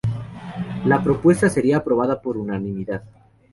La propuesta sería aprobada por unanimidad.